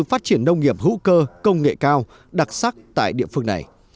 phát triển nông nghiệp hữu cơ công nghệ cao đặc sắc tại địa phương này